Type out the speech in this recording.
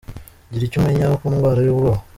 Gira icyo umenya ku ndwara y’ubwoba